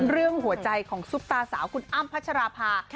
เรื่องหัวใจของซุปตาสาวคุณอ้ำพัชราภา